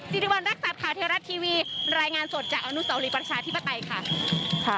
สิริวัณรักษัตริย์ข่าวเทวรัฐทีวีรายงานสดจากอนุสาวรีประชาธิปไตยค่ะ